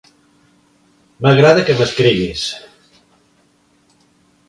M'agrada que m'escriguis.